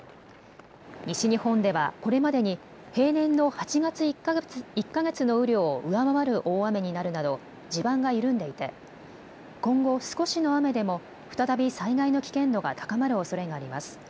西日本ではこれまでに平年の８月１か月の雨量を上回る大雨になるなど地盤が緩んでいて今後、少しの雨でも再び災害の危険度が高まるおそれがあります。